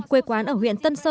quê quán ở huyện tân sơn